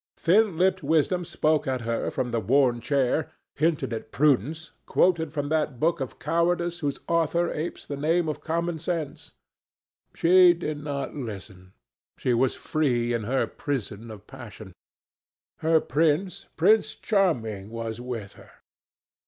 Thin lipped wisdom spoke at her from the worn chair, hinted at prudence, quoted from that book of cowardice whose author apes the name of common sense. She did not listen. She was free in her prison of passion. Her prince, Prince Charming, was with her.